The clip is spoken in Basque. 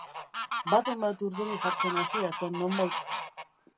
Baten bat urduri jartzen hasia zen nonbait.